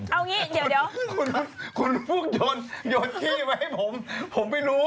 เอางี้เดี๋ยวคุณพวกโยนโยนที่ไว้ให้ผมผมไม่รู้